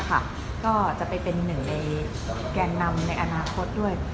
ก็จะไปเป็นหนึ่งในแกนนำในอนาคตด้วย